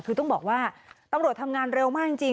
คือต้องบอกว่าตำรวจทำงานเร็วมากจริง